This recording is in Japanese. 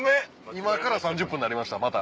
今から３０分になりましたまた。